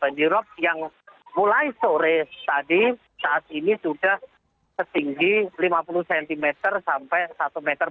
banjirop yang mulai sore tadi saat ini sudah setinggi lima puluh cm sampai satu meter